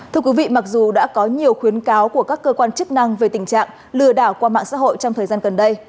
thưa quý vị mặc dù đã có nhiều khuyến cáo của các cơ quan chức năng về tình trạng lừa đảo qua mạng xã hội trong thời gian gần đây